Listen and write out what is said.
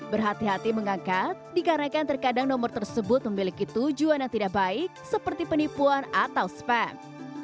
berhati hati mengangkat dikarenakan terkadang nomor tersebut memiliki tujuan yang tidak baik seperti penipuan atau spam